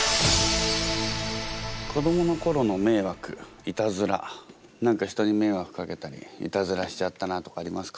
子どもの頃の迷惑イタズラ何か人に迷惑かけたりイタズラしちゃったなとかありますか？